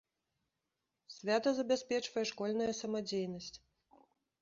Свята забяспечвае школьная самадзейнасць.